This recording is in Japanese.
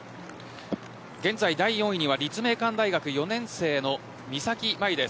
現在第４位には立命館大学４年生の御崎舞です。